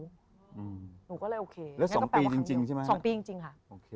หนูก็เลยโอเคแล้วก็แปลว่าครั้งเดียวแล้วสองปีจริงใช่มั้ยสองปีจริงค่ะ